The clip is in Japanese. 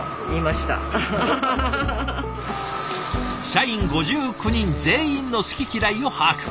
社員５９人全員の好き嫌いを把握。